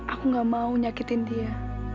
aku gak mau nyakitin dia